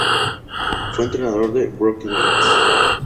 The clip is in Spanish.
Fue entrenador de Brooklyn Nets.